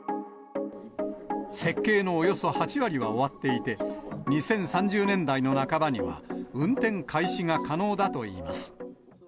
設計のおよそ８割は終わっていて、２０３０年代の半ばには、運転開始が可能だといいます。